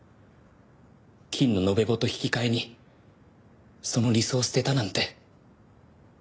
金の延べ棒と引き換えにその理想を捨てたなんて。